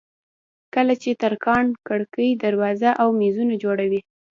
کله چې ترکاڼ کړکۍ دروازې او مېزونه جوړوي.